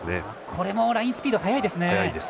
これもラインスピード速いですね。